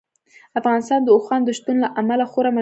افغانستان د اوښانو د شتون له امله خورا مشهور دی.